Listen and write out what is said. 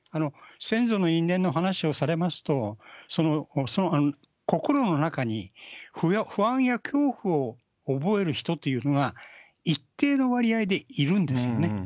先祖の因縁の話をされますと、心の中に不安や恐怖を覚える人というのは、一定の割合でいるんですよね。